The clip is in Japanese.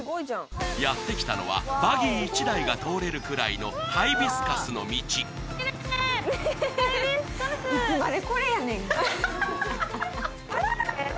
やって来たのはバギー１台が通れるくらいのハイビスカスの道アハハ！